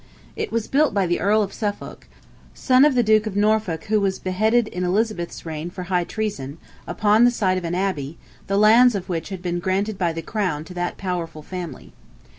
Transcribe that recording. It was built by the Earl of Suffolk, son of the Duke of Norfolk who was beheaded in Elizabeth's reign for high treason, upon the site of an abbey, the lands of which had been granted by the crown to that powerful family.